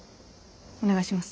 お願いします。